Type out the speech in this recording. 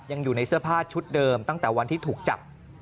ยังอยู่ในเสื้อผ้าชุดเดิมตั้งแต่วันที่ถูกจับ